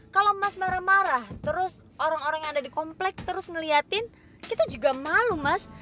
kalau mas marah marah terus orang orang yang ada di komplek terus ngeliatin kita juga malu mas